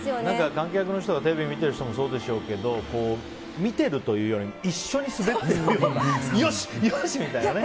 観客の人やテレビ見ている人もそうでしょうけど見てるというよりも一緒に滑っているような。